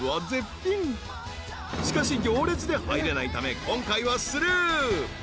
［しかし行列で入れないため今回はスルー］